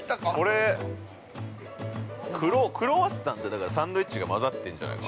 ◆これ、クロワッサンてだから、サンドイッチがまざってんじゃないかな。